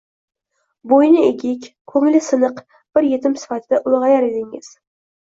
Bo'yni egik, ko'ngli siniq bir yetim sifatida ulg'ayar edingiz.